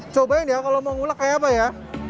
cobain ya kalau mau ngulak kayak apa ya